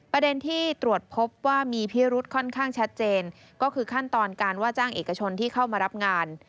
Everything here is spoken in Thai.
ประเด็นที่ตรวจพบว่ามีพิรุษค่อนข้างชัดเจนก็คือขั้นตอนการว่าจ้างเอกชนที่เข้ามารับงาน